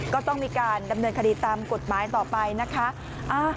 ก็ต้องมีการดำเนินคดีตามกฎหมายต่อไปนะคะ